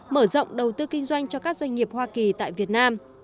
mở rộng đầu tư kinh doanh cho các doanh nghiệp hoa kỳ tại việt nam